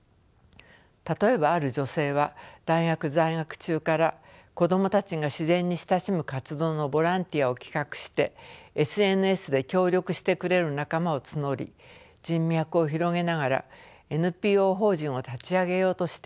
例えばある女性は大学在学中から子供たちが自然に親しむ活動のボランティアを企画してＳＮＳで協力してくれる仲間を募り人脈を広げながらＮＰＯ法人を立ち上げようとしています。